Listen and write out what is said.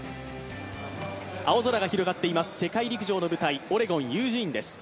青空が広がっています、世界陸上の舞台、オレゴン・ユージーンです。